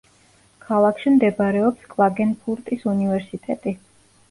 ქალაქში მდებარეობს კლაგენფურტის უნივერსიტეტი.